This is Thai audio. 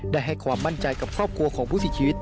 ให้ความมั่นใจกับครอบครัวของผู้เสียชีวิต